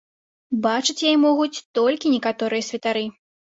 Бачыць яе могуць толькі некаторыя святары.